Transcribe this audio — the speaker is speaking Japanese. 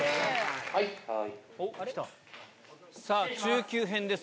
さあ、中級編です。